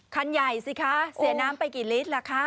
คันใหญ่สิคะเสียน้ำไปกี่ลิตรล่ะคะ